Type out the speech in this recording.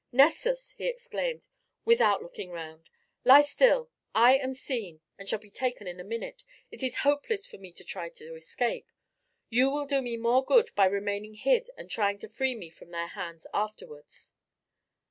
"Nessus," he exclaimed, without looking round, "lie still. I am seen, and shall be taken in a minute. It is hopeless for me to try to escape. You will do me more good by remaining hid and trying to free me from their hands afterwards."